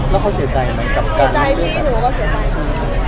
แล้วเขาเสียใจไหมสุนใจพี่หนูก็เสียใจพี่